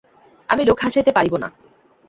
আমি লোক হাসাইতে পারিব না।